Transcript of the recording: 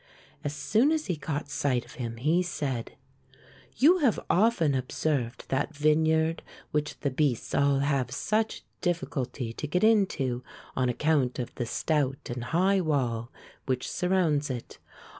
As soon as he caught sight of him, he said: "You have often ob served that vineyard which the beasts all have such difficulty to get into on account of the stout and high wall which surrounds it.